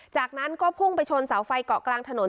จากนั้นก็พุ่งไปชนเสาไฟเกาะกลางถนน